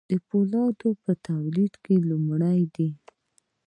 د فولادو په تولید کې لومړی دي.